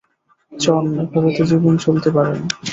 জন, এভাবে তো জীবন চলতে পারে না।